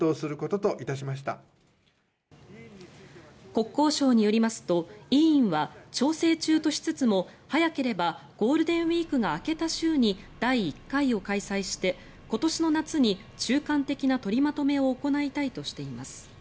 国交省によりますと委員は調整中としつつも早ければゴールデンウィークが明けた週に第１回を開催して今年の夏に中間的な取りまとめを行いたいとしています。